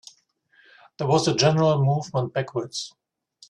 There was a general movement backwards.